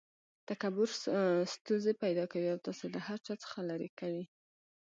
تکبر ستونزي پیدا کوي او تاسي له هر چا څخه ليري کوي.